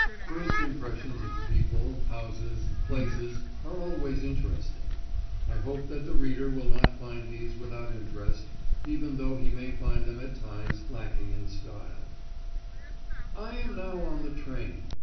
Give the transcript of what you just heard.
First impressions of people, houses, places, are always interesting; I hope that the reader will not find these without interest, even though he may find them at times lacking in style. [Illustration: To face page 9 MAP I.] "I am now in the train.